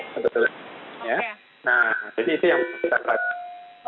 nah jadi itu yang perlu kita perhatikan